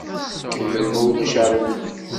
Kemmel, ma ulac aɣilif.